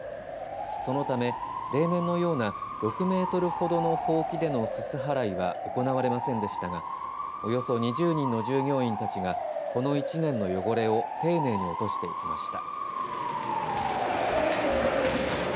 そのため、例年のような６メートルほどのほうきでのすす払いは行われませんでしたがおよそ２０人の従業員たちがこの１年の汚れを丁寧に落としていきました。